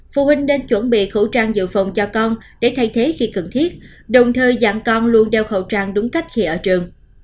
phụ huynh nên chuẩn bị khẩu trang dự phòng cho con để thay thế khi cần thiết đồng thời dặn con luôn đeo khẩu trang đúng cách khi ở trường